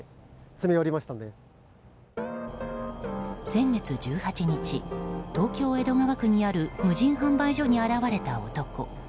先月１８日東京・江戸川区にある無人販売所に現れた男。